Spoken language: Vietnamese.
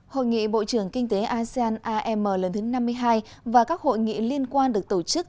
hội nghị bộ trưởng kinh tế asean am lần thứ năm mươi hai và các hội nghị liên quan được tổ chức